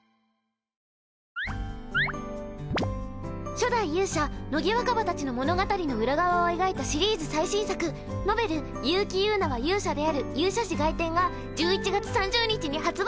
初代勇者乃木若葉たちの物語の裏側を描いたシリーズ最新作ノベル「結城友奈は勇者である勇者史外典」が１１月３０日に発売！